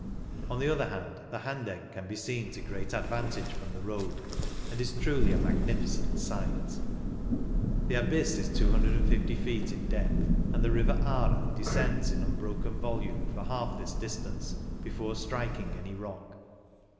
On the other hand, the Handegg can be seen to great advantage from the road, and it is truly a magnificent sight. The abyss is 2 50 feet in depth, and the river Aare descends in unbroken volume for half this distance before striking any rock.